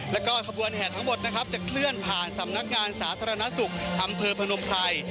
แล้วก็ขบวนแห่ทั้งหมดนะครับจะเคลื่อนผ่านสำนักงานสาธารณสุขอำเภอพนมไพร